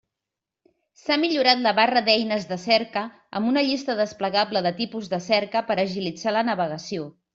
S'ha millorat la barra d'eines de cerca amb una llista desplegable de tipus de cerca per a agilitzar la navegació.